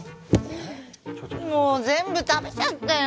もう全部食べちゃったよ。